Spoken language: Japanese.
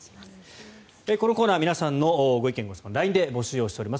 このコーナー皆さんのご意見・ご質問をＬＩＮＥで募集しております。